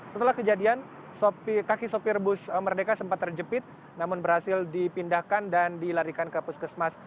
setelah kejadian kaki sopir bus merdeka sempat terjepit namun berhasil dipindahkan dan dilarikan ke puskesmas